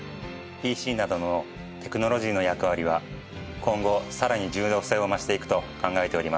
ＰＣなどのテクノロジーの役割は今後さらに重要性を増していくと考えております。